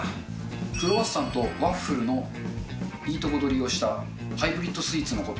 クロワッサンとワッフルのいいとこ取りをしたハイブリッドスイーツのこと。